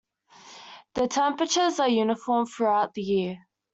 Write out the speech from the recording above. The temperatures are uniform throughout the year.